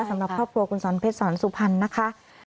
สำหรับครอบครัวคุณสอนเพชรสอนสุพรรณนะคะ